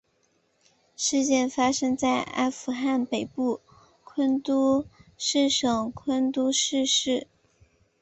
事件发生在阿富汗北部昆都士省昆都士市。